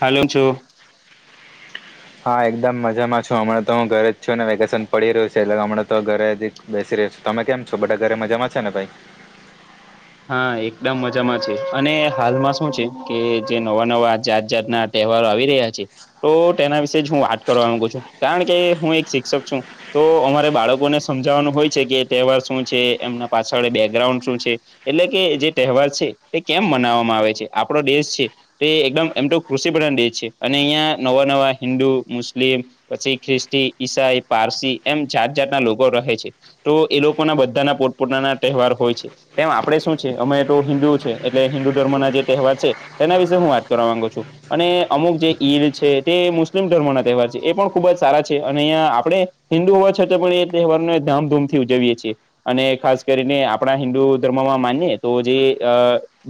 હાલો છો. હા, એકદમ મજામાં છું. હમણા તો હું ઘરે જ છું ને વેકેશન પડી રહ્યું છે એટલે હમણા તો ઘરે હજી. બેસી રેછે. તમે કેમ છો બધા ઘરે મજામાં છે ને ભાઈ? હા એકદમ મજામાં છે. અને હાલમાં શું છે કે જે નવા નવા જાત જાતના તહેવારો આવી રહ્યા છે, તો તેના વિશે જ હું વાત કરવા માગું છું. કારણ કે હું એક શિક્ષક છું. તો અમારે બાળકોને સમજાવાનું હોય છે કે તહેવાર શું છે? એમના પાછળ એ બેકગ્રાઉન્ડ શું છે? એટલે કે જે તહેવાર છે તે કેમ મનાવવામાં આવે છે? આપડો દેશ છે. તે એકદમ એમ તો કૃષિ પ્રધાન દેશ છે. અને અહિયાં નવા નવા હિન્દુ, મુસ્લિમ પછી ખ્રિસ્તી, ઈસાઈ, પારસી એમ જાત જાતના લોકો રહે છે. તો એ લોકોના બધાના પોત પોતાના તહેવાર હોય છે. તેમ આપ આપણે શું છે. અમે તો હિન્દુ છે. એટલે હિન્દુ ધર્મના જે તહેવાર છે, તેના વિશે હું વાત કરવા માંગુ છું. અને અમુક જે ઈદ છે તે મુસ્લિમ ધર્મોના તહેવાર છે. એ પણ ખૂબ જ સારા છે અને અહીંયા આપણે હિન્દુ હોવા છતાં પણ એ તહેવારને ધામધૂમથી ઉજવીએ છીએ. અને ખાસ કરીને આપણા હિન્દુ ધર્મમાં માનીએ તો જે અ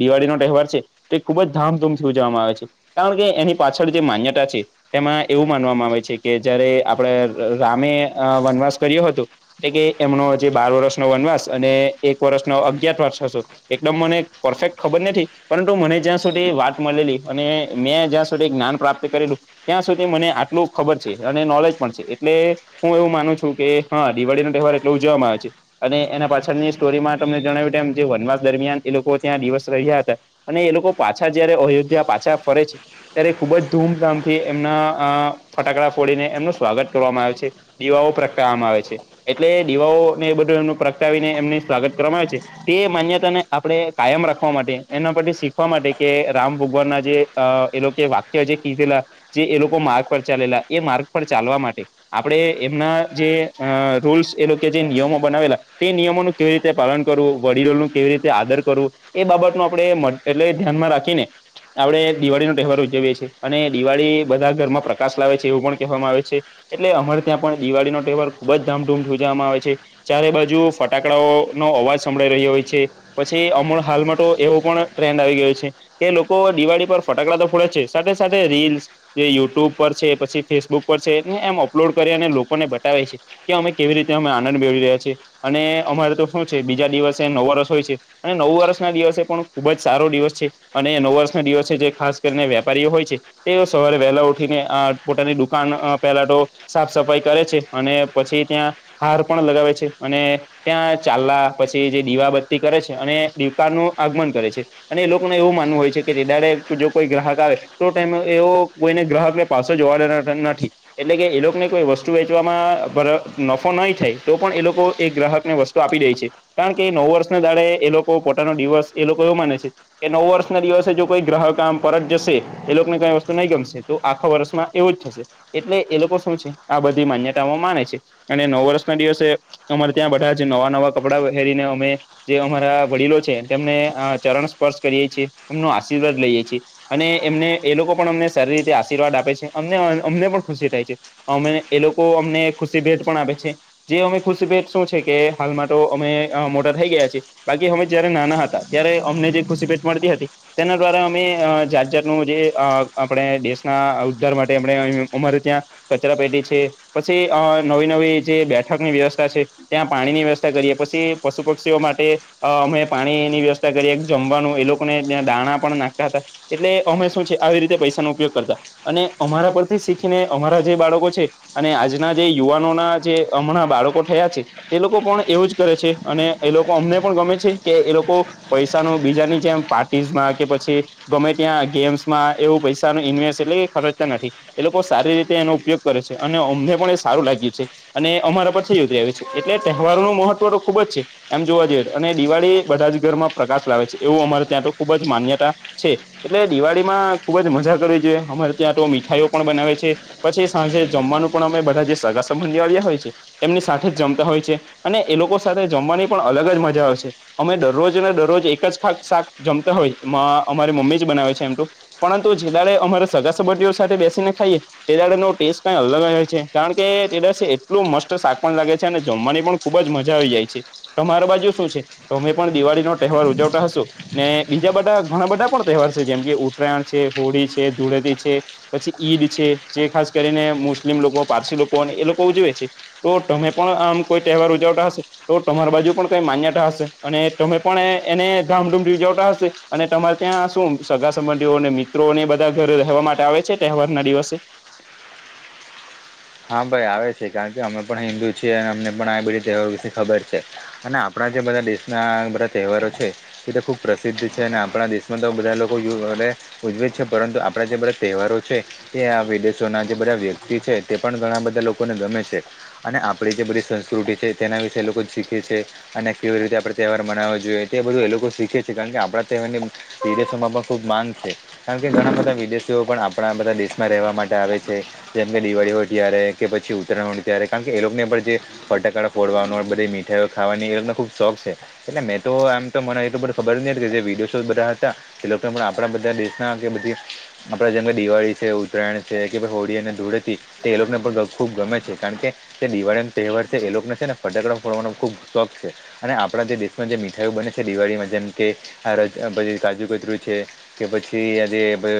દિવાળીનો તહેવાર છે તે ખુબ જ ધામધૂમથી ઉજવવામાં આવે છે. કારણ કે એની પાછળ જે માન્યતા છે. તેમાં એવું માનવામાં આવે છે કે જયારે આપણે રામે અ વનવાસ કર્યો હતો. એટલે કે એમનો જે બાર વર્ષનો વનવાસ અને એક વર્ષનો અગ્ઞત [unintelligible] વર્ષ હતો. એકદમ મને પરફેક્ટ ખબર નથી. પરંતુ મને જ્યાં સુધી વાત મલેલી અને મેં જ્યાં સુધી જ્ઞાન પ્રાપ્ત કરેલું ત્યાં સુધી મને આટલું ખબર છે. અને નોલેજ પણ છે. એટલે હું એવું માનું છું કે હા દિવાળીનો તહેવાર એટલો ઉજવવામાં આવે છે. અને એના પાછળની સ્ટોરીમાં તમને જણાવ્યું તેમ જે વનવાસ દરમિયાન એ લોકો ત્યાં દિવસ રહ્યા હતા. અને એ લોકો પાછા જયારે અયોધ્યા પાછા ફરે છે. ત્યારે ખુબ જ ધૂમધામથી એમના અ ફટાકડા ફોડીને એમનું સ્વાગત કરવામાં આવે છે. દીવાઓ પ્રગટાવવામાં આવે છે. એટલે દીવાઓ ને એ બધું એમનું પ્રગટાવીને એમને સ્વાગત કરવામાં આવે છે. તે માન્યતાને આપણે કાયમ રાખવા માટે એના પરથી શીખવા માટે કે રામ ભગવાનના જે અ એ લોકએ વાક્ય જે કીધેલા. જે એ લોકો માર્ગ પર ચાલેલા એ માર્ગ પર ચાલવા માટે. આપણેે એમના જે રૂલ્સ એ લોકો જે નિયમો બનાવેલા તે નિયમોનું કેવી રીતે પાલન કરવું. વડીલોનું કેવી રીતે આદર કરવું, એ બાબતનું આપણે મત એટલે ધ્યાનમાં રાખીને આપડે દિવાળીનો તહેવાર ઉજવીએ છીએ. અને દિવાળી બધા ઘરમાં પ્રકાશ લાવે છે, એવું પણ કહેવામાં આવે છે. એટલે અમારે ત્યાં પણ દિવાળીનો તહેવાર ખુબ જ ધામધૂમથી ઉજાવામાં આવે છે. ચારે બાજુ ફટાકડાઓ નો અવાજ. સંભળાઈ રહ્યો હોય છે. પછી અમૂ હાલમાં તો એવો પણ ટ્રેન્ડ આવી ગયો છે. કે લોકો દિવાળી પર ફટાકડા તો ફોડે છે. સાથે સાથે રીલ્સ જે યુટ્યુબ પર છે, પછી ફેસબુક પર છે ને એમ અપલોડ કરી અને લોકોને બતાવે છે. કે અમે કેવી રીતે અમે આનંદ મેળવી રહ્યા છીએ અને અમારે તો શું છે બીજા દિવસે નવ વર્ષ હોય છે. અને નવ વર્ષના દિવસે પણ ખુબ જ સારો દિવસ છે. અને નવ વર્ષના દિવસેજે ખાસ કરીને વેપારીઓ હોય છે. તેઓ સવારે વહેલા ઉઠીને આ પોતાની દુકાન પેલા તો સાફ સફાઈ કરે છે, અને પછી ત્યાં હાર પણ લગાવે છે. અને ત્યાં ચાલા પછી જે દીવાબત્તી કરે છે અને દીવકાનું આગમન કરે છે. અને એ લોકોને એવું માનવું હોય છે કે તે દાડે જો કોઈ ગ્રાહક આવે તો ટાઈમે એવો કોઈને ગ્રાહકને પાસે જોવા લે નથી. એટલે કે એ લોકોને કોઈ વસ્તુ વેચવામાં નફો નહી થાય તો પણ એ લોકો એ ગ્રાહકને વસ્ત તો આપી દે છે. કારણ કે નવ વર્ષના દાળે એ લોકો પોતાનો દિવસ એ લોકો એવું માને છે. કે નવું વર્ષના દિવસે જો કોઈ ગ્રાહક આમ પરત જશે એ લોકોને કઈ વસ્તુ નહીં ગમશે તો આખા વર્ષમાં એવું જ થશે. એટલે એ લોકો શું છે આ બધી માન્યતામાં માને છે. અને નવ વર્ષના દિવસે અમારે ત્યાં બધાજ નવા નવા કપડાં પહેરીને અમે. જે અમારા વડીલો છે તેમને ચરણ સ્પર્શ કરીએે છીએ, એમનો આશીર્વાદ લઈએે છીએ. અને એમને એ લોકો પણ અમને સારી રીતે આશીર્વાદ આપે છે, અમને અમને પણ ખુશી થાય છે. અમે એલોકો અમને ખુશી ભેટ પણ આપે છે. જે અમે ખુશી ભેટ શું છે કે હાલમાં તો અમે. અહ મોટા થઇ ગયા છે, બાકી અમે જયારે નાના હતા, ત્યારે અમને જે ખુશી ભેટ મળતી હતી. તેના દ્વારા અમે અહ જાત જાતનું અહ જે આપડે દેશના ઉદ્ધાર માટે એમણે અમારે ત્યાં. કચરા પેટી છે. પછી અહ નવી નવી જે બેઠકની વ્યવસ્થા છે ત્યાં પાણીની વ્યવસ્થા કરીએ પછી પશુ પક્ષીઓ માટે અહ અમે પાણીની વ્યવસ્થા કરીએ જમવાનું એ લોકોને ત્યા દાણા પણ નાખતા હતા. એટલે અમે શું છે આવી રીતે પૈસાનો ઉપયોગ કરતા. અને અમારા પરથી શીખીને અમારા જે બાળકો છે. અને આજના જે યુવાનોના જે હમણાં બાળકો થયા છે તે લોકો પણ એવુંજ કરે છે. અને એ લોકો અમને પણ ગમે છે કે એ લોકો પૈસાનું બીજાની જેમ પાર્ટીસમાં કે પછી ગમે ત્યાં ગેમ્સમાં એવું પૈસાનું ઇન્વેસ્ટ એટલે ખરજતા નથી. એ લોકો સારી રીતે એનો ઉપયોગ કરે છે અને અમને પણ એ સારું લાગ્યું છે. અને અમારા પર થયું તે આવ્યું છે એટલે તહેવારો નનું મહત્વતો ખુબજ છે. એમ જોવા જઈએ તો અને દિવાળી બધાજ ઘરમાં પ્રકાશ લાવે છે, એવું અમારે ત્યાં તો ખુબજ માન્યતા છે, એટલે દિવાળીમાં ખુબજ મજા કરવી જો અમારે ત્યાં તો મીઠાઈઓ પણ બનાવે છે. પછી સાંજે જમવાનું પણ અમે બધા જે સગા સંબંધી આવ્યા હોય છે એમની સાથેજ જમતા હોય છે અને એ લોકો સાથે જમવાની પણ અલગ જ મજા આવે છે. અમે દરરોજ ને દરરોજ એકજ ખા શાક જમતા હોય અમારી મમ્મીજ બનાવે છે એમતો પરંતુ જે દડે અમારે સગા સબટીઓ સાથે બેસીને ખાઈએ તેડાડે નો ટેસ્ટ કઈ અલગ હોય છે કારણકે તેડા એટલું મસ્ત શાક પણ લાગે છે અને જમવાની પણ ખુબજ મજા આવી જાય છે. તમારા બાજુ શું છે, તમે પણ દિવાળીનો તહેવાર ઉજવતા હશો? ને બીજા બધા ઘણા બધા પણ તહેવાર છે જેમકે ઉત્તરાયણ છે, હોળી છે, ધૂળેતી છે. પછી ઈદ છે જે ખાસ કરીને મુસ્લિમ લોકો પારસી લોકોને એ લોકો ઉજવે છે. તો તમે પણ આમ કોઈ તહેવાર ઉજવતા હશે? તો તમારી બાજુ પણ કઈ માન્યતા હશે અને તમે પણ એને ધામધૂમ ઉજવતા હશે. અને તમારે ત્યાં શું સગા સંબંધીઓ અને મિત્રો ને બધા ઘરે રહેવા માટે આવે છે, તહેવાર ના દિવસે? હા ભાઈ આવે છે કારણકે અમે પણ હિન્દુ છીએ અને અમને પણ આ બધી તહેવારો વિશે ખબર છે. અને આપડા જે બધા દેશના બધા તહેવારો છે એ તે ખુબ પ્રસિદ્ધ છે અને આપડા દેશ તો બધા લોકો ઉજ્વે છે પરંતુ આપડા જે બધા તહેવારો છે એ આ વિદેશોના જે બધા વ્યક્તિ છે તે પણ ઘણા બધા લોકોને ગમે છે. અને આપડી જે બધી સંસ્કૃતિ છે, તેના વિશે લોકો શીખે છે. અને કેવી રીતે આપડે તહેવાર મનાવો જોઈએ તે બધું એ લોકો શીખે છે કારણકે આપડા તહેવારની. વિદેશોમાં પણ ખુબ માંગ છે. કારણકે ઘણા બધા વિદેશીઓ પણ આપડા બધા દેશમાં રહેવા માટે આવે છે, જેમકે દિવાળી હોય. ત્યારે કે પછી ઉત્તરાયણ હોય ત્યારે કારણકે એ લોકોને પણ જે ફટાકાડા ફોડવાનો બધી મીઠાઈઓ ખાવાની એ લોકોને ખુબ શોખ છે. એટલે મેં તો આમ તો મને એ તો ખબર જ ની હતી જે વિદેશો બધા હતા એ લોકો પણ આપડા બધા દેશના કે બધી આપડે જેમ કે દિવાળી છે, ઉત્તરાયણ છે, કે ભાઈ હોળી અને ધૂળેથી. તે એ લોકોને પણ ખૂબ ગમે છે, કારણકે તે દિવાળી ન તહેવાર છે, એ લોકોને છે ને ફટાકડા ફોડવાનો ખુબ શોખ છે. અને આપણા જે દેશમાં જે મીઠાઈઓ બને છે દિવાળીમાં જેમ કે આ ર કાજુકતરી છે. કે પછી આજે જે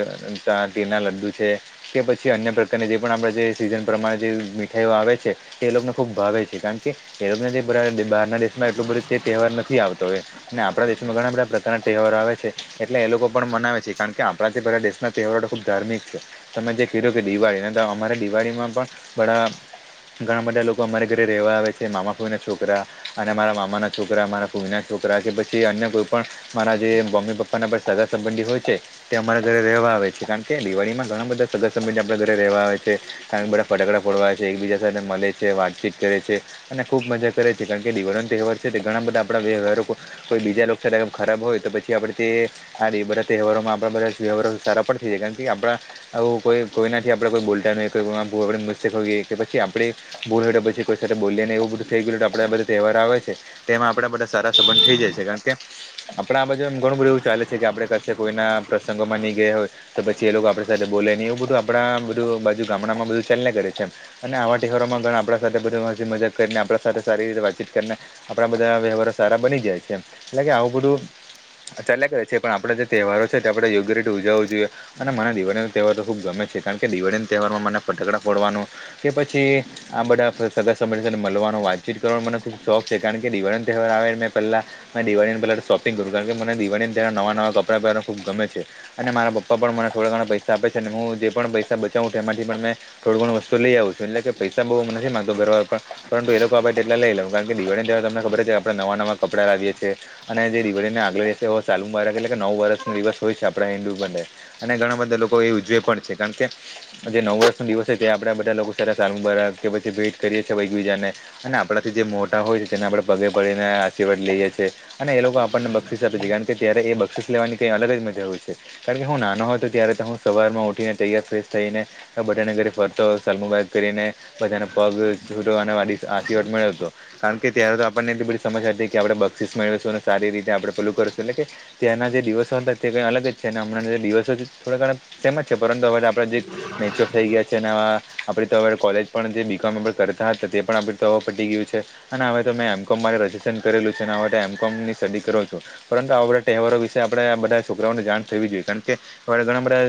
આ ઘી ના લડું છે કે પછી અન્ય પ્રકારની જે પણ આપણે જે સીઝન પ્રમાણે જે મીઠાઈઓ આવે છે, તે એ લોકોને ખૂબ ભાવે છે કારણ કે [inaudible] બારના દેશમાં એટલું બધું તહેવાર નથી આવતો હોય. અને આપણા દેશમાં ઘણા બધા પ્રકારના તહેવારો આવે છે, એટલે એ લોકો પણ મનાવે છે કારણ કે, આપડે આ જે બધા દેશના તહેવારો ખુબ ધાર્મિક છે, તમે જે કીધું કે દિવાળી નઈ તો અમારે દિવાળીમાં પણ બડા ઘણા બધા લોકો અમારા ઘરે રહેવા આવે છે, મામા-ફોઈ ના છોકરા અને મારા મામાના છોકરા અમારા ફોઈના છોકરા કે પછી અન્ય કોઈ પણ મારા જે મમ્મી-પપ્પા ના પણ સગા-સંબંધી હોય છે. તે અમારા ઘરે રહેવા આવે છે કારણ કે, દિવાળીમાં ઘણા બધા સગા-સબંધી ઓ આપણા ઘરે રહેવા આવે છે. બધા ફટકડા ફોડવા આવે છે, એકબીજા સાથે મલે છે, વાતચીત કરે છે. અને ખૂબ મજા કરે છે કારણ કે, દિવાળી ના તહેવાર છે તો ઘણા બધા આપણા વ્યવહારો કોઈ બીજા લોકો આમ જે ખરાબ હોય તો પછી આપડે તે હા એ બધા તહેવારોમાં આપણા બધા જ વ્યવહારો સારા પણ થઈ જાય કારણ કે, આપણા આવું કોઈ કોઈનાથી આપણે કોઈ બોલતા ન હોય, કોઈ વાંકું હોય વચ્ચે પડીએ અને પછી આપણે બોલ નઈ પછી કોઈ સાથે બોલીએ નઈ, એવું બધું થઈ ગયું તો આપડા આ બધા તહેવાર આવે છે તેમાં આપડા બધા સારા સંબંધ થઈ જાય છે, કારણ કે આપણા આ બાજુ ઘણું બધું એવું ચાલે છે કે, આપડે કશે કોઈના પ્રસંગોમાં નહી ગયા હોય. તો પછી એ લોકો આપણી સાથે બોલે ને એવું બધું આપણા, બધું બાજુ ગામડામાં બધું ચાલ્યા કરે છે એમ અને આવા તહેવારો માં ઘણા આપણા સાથે બધા મસ્તી-મજાક કરીને આપણા સાથે સારી રીતે વાતચીત કરી ને આપણા બધા વ્યવહારો સારા બની જાય છે, એમ એટલે કે આવું બધું ચાલ્યા કરે છે પણ આપડે જે તહેવારો છે, આપણે યોગ્ય રીતે ઉજવવા જોઈએ. અને મને દિવાળીનો તહેવાર તો ખૂબ ગમે છે, કારણ કે, દિવાળી ના તહેવારમાં મને ફટકડા ફોડવાનું કે પછી આ બધા સગા સબંધીઓ ને મલવાનું, વાતચીત કરવાનો મને ખબ શોખ છે કારણ કે, દિવાળી તહેવાર આવે એટલે પેહલા મે દિવાળીને પહેલા શોપિંગ કર્યું કારણ કે, મને દિવાળીને પેહલા નવા-નવા કપડાં પહેરવા ખૂબ ગમે છે. અને મારા પપ્પા પણ મને થોડા ઘણા પૈસા આપે છે અને હું જે પણ પૈસા બચાવું એમાંથી પણ મેં થોડું ઘણું વસ્તુ લઈ આવું છું, એટલે કે પૈસા બહુ નથી માગતો ઘર પણ, પણ એ લોકો આપે એટલા લઈ લવ. કારણ કે, દિવાળી દિવસ તમને ખબર છે આપણે નવા-નવા કપડાં લાવીએ છીએ. અને જે દિવાળી ને આગલે દિવસ સાલમુબારક એટલે કે નવું વર્ષ નો દિવસ હોય છે, આપણા હિન્દુ માટે અને ઘણા બધા લોકો એ ઉજવે પણ છે કારણ કે, જે નવું વર્ષનો દિવસ હોય તે આપડે બધા લોકો ને સાલમુબારક કે પછી ભેટ કરીએ છે, એકબીજા ને અને આપણાથી જે મોટા હોય છે, તેને આપડે પગે પડીને આશીર્વાદ લઈએ છીએ‌. અને એ લોકો આપણને બક્ષીસ આપે છે, કારણ કે, ત્યારે એ બક્ષીસ લેવાની કંઈ અલગ જ મજા હોય છે. કારણ કે, હું નાનો હતો ત્યારે હું સવારમાં ઉઠીને તૈયાર થઈ થઈને બધાને ઘરે ફરતો, સાલમુબારક કરીને બધાને પગ છૂતો અને વડીલ આશીર્વાદ મેળવતો, કારણ કે ત્યારે તો આપણને એટલી બધી સમજ હતી, કે આપણે બક્ષીસ મેળવીશું અને સારી રીતે આપણે પેલું કરશું એટલે કે ત્યાંના જે દિવસો હતા, તે કઈ અલગ જ છે અને હમણાં જે દિવસો થોડા ઘણા તેમજ છે, પરંતુ હવે નેચર થઈ ગયા છે અને આ આપણે તો હવે કોલેજ પણ જે બી કોમ આપણે કરતા હતા, તે પણ આપણી તો હવે પતી ગયું છે. અને હવે તો મેં એમ કોમ માટે રજીસ્ટ્રેશન કરેલું છે અને એમ કોમ ની સ્ટડી કરુ છું. પરંતુ આવા બધા તહેવારો વિશે આપણેે બધા છોકરાઓને જાણ થવી જોઈએ, કારણ કે, ઘણા બધા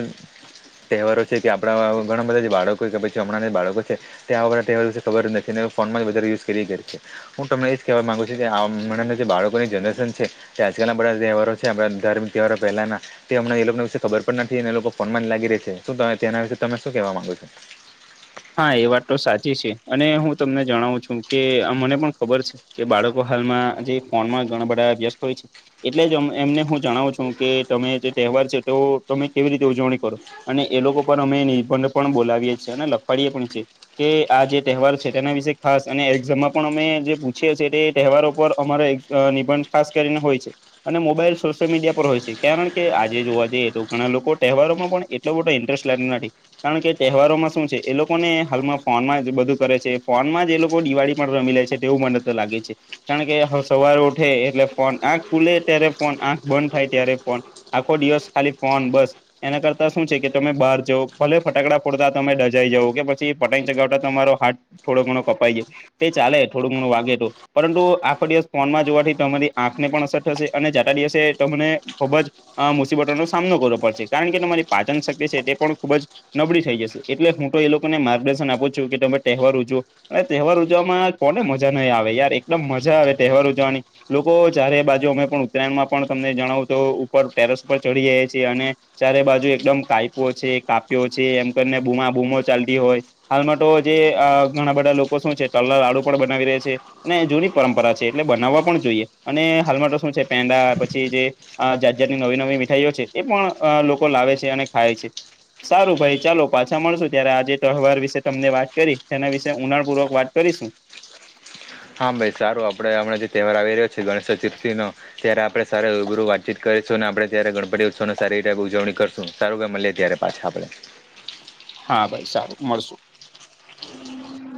તહેવારો છે, કે આપણા ઘણા બધા જે બાળકો છે કે પછી હમણાં જે બાળકો છે. તે આવા બધા તહેવાર વિશે ખબર જ નથી ને, ફોનમાં જ વધારે યુઝ કરીયા કરે. હું તમને એજ કહેવા માંગુ છું કે, અમના જે બાળકોની જનરેશન છે કે આજકાલના બધા તહેવારો છે, આપ ધાર્મિક તહેવારો પહેલાના તે એમને એ લોકોના વિશે ખબર પણ નથીને, એ લોકો ફોનમા જ લાગી રેય છે, શું તેના વિશે તમે શું કેવા માંગો છો? હા એ વાત તો સાચી છે, અને હું તમને જણાવું છું કે આ મને પણ ખબર છે કે બાળકો હાલમાં જે ફોનમાં ઘણા બધા વ્યસ્ત હોય છે. એટલે જ એમને હું જણાવું છું કે તમે જે તહેવાર છે, તો તમે કેવી રીતે ઉજવણી કરો. અને એ લોકો પર અમે નિબંધ પણ બોલાવીએ છીએ, અને લખવાડીએ પણ છીએ. કે આ જે તહેવાર છે તેના વિશે ખાસ અને એક્ઝામમાં પણ અમે જે પૂછીએ છીએ તે તહેવારો પર અમારો અ નિબંધ ખાસ કરીને હોય છે. અને મોબાઈલ સોશિયલ મીડિયા પર હોય છે, કારણ કે આજે જોવા જઈએ તો ઘણા લોકો તહેવારોમાં પણ એટલો મોટો ઇન્ટરેસ્ટ લાગતો નથી, કારણ કે તહેવારોમાં શું છે એ લોકોને હાલમાં ફોનમાં જ બધું કરે છે, ફોનમાં જ એ લોકો દિવાળી પણ રમી લે છે તેવું મને તો લાગે છે. કારણ કે સવારે ઉઠે એટલે ફોન, આંખ ખુલે ત્યારે ફોન, આંખ બંધ થાય ત્યારે ફોન. આખો દિવસ ખાલી ફોન બસ એના કરતા શું છે કે તમે બહાર જઓ ભલે ફટાકડા ફોડતા તમે દા જઈ જવું કે પછી પતંગ ચગાવતા તમારો હાથ થોડો ઘણો કપાઈ જાય તે ચાલે થોડું ઘણું વાગે તો પરંતુ આખો દિવસ ફોનમાં જોવાથી તમારી આંખને પણ અસર થશે, અને જાતા દિવસે તમને ખૂબ જ અહ મુસીબતોનો સામનો કરવો પડશે, કારણ કે તમારી પાચન શક્તિ છે તે પણ ખુબ જ નબળી થઈ જશે. એટલે હું તો એ લોકોને માર્ગદર્શન આપું છું કે તમે તહેવાર ઉજવો. અને તહેવાર ઉજવાવામાં કોને મજા નહીં આવે, યાર એકદમ મજા આવે તહેવાર ઉજવાની. લોકો ચારે બાજુ અમે પણ ઉત્તરાયણમાં પણ તમને જણાવુ તો ઉપર ટેરસ ઉપર ચડી જઈએ છીએ અને ચારે બાજુ એકદમ કાયપો છે, કાપ્યો છે, એમ કરીને બૂમા બૂમો ચાલતી હોય. હાલમાં તો જે ઘણા અહ બધા લોકો શું છે, તલના લાડુ પણ બનાવી રેય છે. અને જૂની પરંપરા છે, એટલે બનાવવા પણ જોઈએ. અને હાલમાં તો શું છે પેંડા પછી જે આ જાત જાતની નવી નવી મીઠાઈઓ છે, એ પણ લોકો લાવે છે અને ખાય છે. સારું ભાઈ ચાલો. પાછા મળશું ત્યારે આજે તહેવાર વિશે તમને વાત કરી તેના વિશે ઊંડાણપૂર્વક વાત કરીશું. હા ભાઈ સારું આપડે હમણા જે તહેવાર આવી રહ્યો છે ગણેશ ચતુર્થી નો ત્યારે આપણે સારલ ગુરુ વાતચીત કરીશું, અને આપણે ત્યારે ગણપતિ ઉત્સવની સારી રીતે ઉજવણી કરશું, સારુ ભાઈ મળીએ ત્યારે. પાછા આપણેે. હા ભાઈ સારું મળશું.